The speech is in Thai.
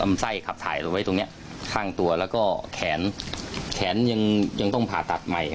ไส้ขับถ่ายเอาไว้ตรงเนี้ยข้างตัวแล้วก็แขนแขนยังต้องผ่าตัดใหม่